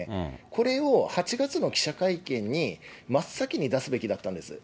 これを８月の記者会見に真っ先に出すべきだったんです。